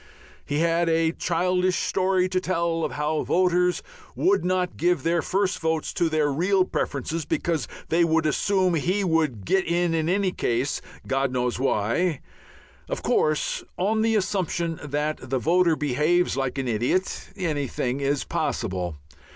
He had a childish story to tell of how voters would not give their first votes to their real preferences, because they would assume he "would get in in any case" God knows why. Of course on the assumption that the voter behaves like an idiot, anything is possible.